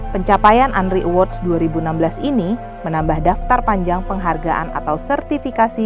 pencapaian andri awards dua ribu enam belas ini menambah daftar panjang penghargaan atau sertifikasi